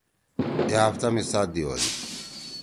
اے ہفتہ می سات دی ہودی۔